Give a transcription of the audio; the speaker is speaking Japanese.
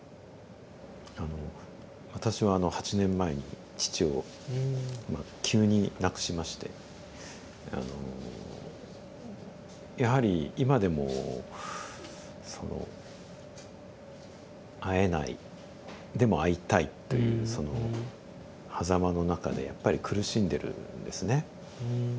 あの私はあの８年前に父をまあ急に亡くしましてあのやはり今でもその「会えないでも会いたい」というそのはざまの中でやっぱり苦しんでるんですね。